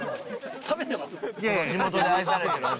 地元で愛されてる。